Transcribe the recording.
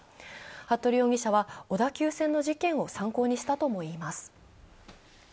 服部容疑者は小田急線の事件を参考にしたともいいます。